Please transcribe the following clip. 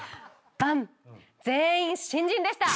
全員新人でした！